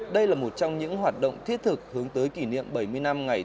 đây là một trong những hoạt động thiết thực hướng tới kỷ niệm bảy mươi năm ngày